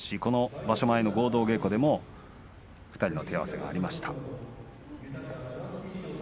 場所前の合同稽古でも２人の手合わせがありました。